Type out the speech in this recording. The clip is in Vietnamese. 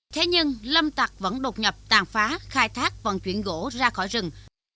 thế nhưng lâm tạc vẫn đột nhập tàn phá khai thác và chuyển gỗ ra khỏi rừng